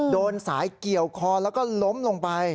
โดนสายเกี่ยวคอแล้วก็ล้มลงไป